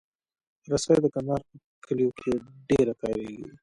رسۍ د کندهار په کلیو کې ډېره کارېږي.